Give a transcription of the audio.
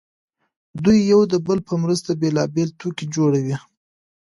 دوی یو د بل په مرسته بېلابېل توکي جوړوي